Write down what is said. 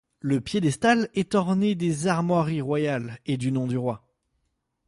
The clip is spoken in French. Le piédestal est orné des armoiries royales et du nom du Roi.